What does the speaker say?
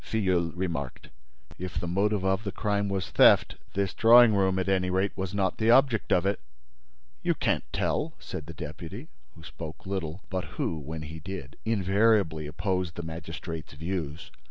Filleul remarked: "If the motive of the crime was theft, this drawing room, at any rate, was not the object of it." "You can't tell!" said the deputy, who spoke little, but who, when he did, invariably opposed the magistrate's views.